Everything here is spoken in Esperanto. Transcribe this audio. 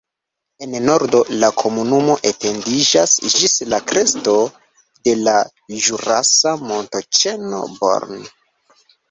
En nordo la komunumo etendiĝas ĝis la kresto de la ĵurasa montoĉeno Born.